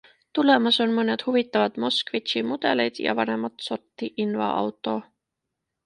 Tulemas on mõned huvitavad Moskvitši mudelid ja vanemat sorti invaauto.